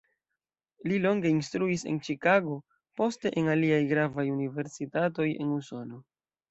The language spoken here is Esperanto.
Li longe instruis en Ĉikago, poste en aliaj gravaj universitatoj en Usono.